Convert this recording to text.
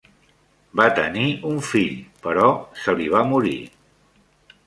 Va tenir un fill, però se li va morir.